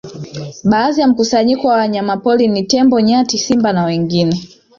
Baadhi ya mkusanyiko wa wanyama pori ni tembo nyati simba na wengine